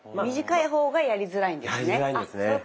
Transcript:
短い方がやりづらいんですね。